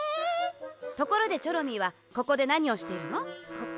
ところでチョロミーはここでなにをしているの？